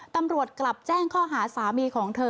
ตำรวจกลับแจ้งข้อหาสามีของเธอ